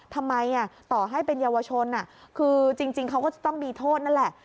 ทำไมต่อให้เป็นเยาวชนคือจริงเขาก็จะต้องมีโทษนั่นแหละ